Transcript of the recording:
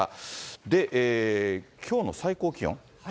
で、きょうの最高気温？